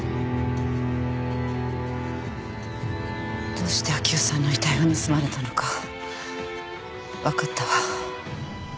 どうして明生さんの遺体が盗まれたのか分かったわ。